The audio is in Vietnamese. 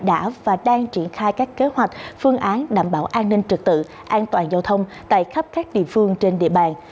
đã và đang triển khai các kế hoạch phương án đảm bảo an ninh trực tự an toàn giao thông tại khắp các địa phương trên địa bàn